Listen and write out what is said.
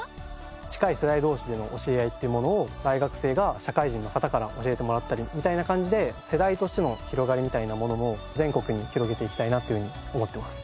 近い世代同士での教え合いっていうものを大学生が社会人の方から教えてもらったりみたいな感じで世代としての広がりみたいなものも全国に広げていきたいなというふうに思っています。